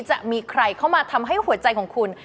จะมีใครเข้ามาทำให้หัวใจของคุณ